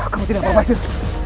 kamu tidak apa apa sir